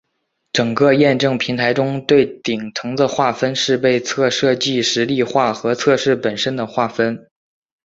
整个验证平台中最顶层的划分是被测设计实例化和测试本身的划分。